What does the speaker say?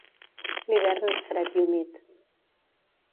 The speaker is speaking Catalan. L'hivern és fred i humit.